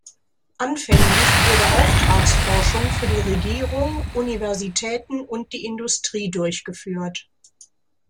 Anfänglich wurde Auftragsforschung für die Regierung, Universitäten und die Industrie durchgeführt.